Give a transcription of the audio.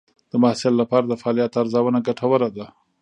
د محصل لپاره د فعالیت ارزونه ګټوره ده.